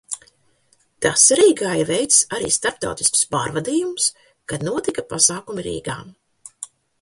Tas Rīgā ir veicis arī starptautiskus pārvadājumus, kad notika pasākumi Rīgā.